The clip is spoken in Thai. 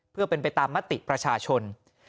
เพื่อเป็นไปตามมติประชาชน